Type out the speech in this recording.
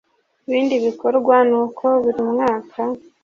Ibindi bikorwa ni uko buri mwaka